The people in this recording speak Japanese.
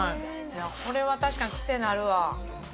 これは確かに、癖なるわ。